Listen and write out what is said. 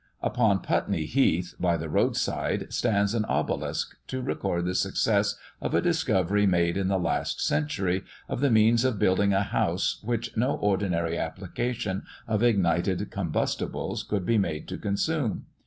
Upon Putney Heath, by the road side, stands an obelisk, to record the success of a discovery made in the last century, of the means of building a house which no ordinary application of ignited combustibles could be made to consume.